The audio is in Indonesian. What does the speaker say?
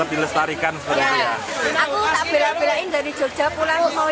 aku tak bela belain dari jogja pulang mau ikutin aku